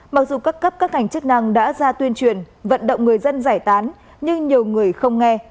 mặc dù các cấp các ngành chức năng đã ra tuyên truyền vận động người dân giải tán nhưng nhiều người không nghe